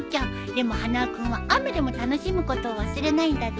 でも花輪君は雨でも楽しむことを忘れないんだって。